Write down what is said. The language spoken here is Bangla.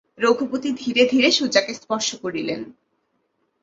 রঘুপতি ধীরে ধীরে সুজাকে স্পর্শ করিলেন।